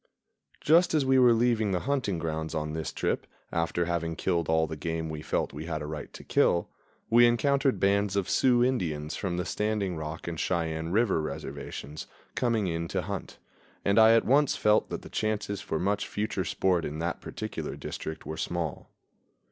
Just as we were leaving the hunting grounds on this trip, after having killed all the game we felt we had a right to kill, we encountered bands of Sioux Indians from the Standing Rock and Cheyenne River reservations coming in to hunt, and I at once felt that the chances for much future sport in that particular district were small.